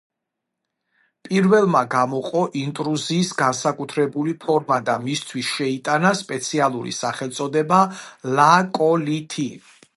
პირველმა გამოყო ინტრუზიის განსაკუთრებული ფორმა და მისთვის შეიტანა სპეციალური სახელწოდება ლაკოლითი.